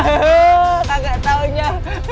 hehehe kagak taunya